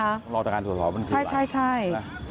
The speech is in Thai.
ต้องรอตรงการส่วนของมันคือไหมใช่